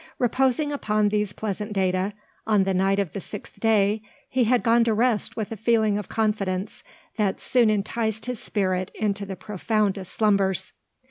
Reposing upon these pleasant data, on the night of the sixth day he had gone to rest with a feeling of confidence that soon enticed his spirit into the profoundest slumbers.